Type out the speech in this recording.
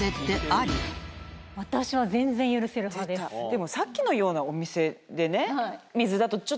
でもさっきのようなお店でね。